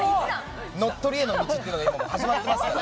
乗っ取りへの道というのがもう始まってますから。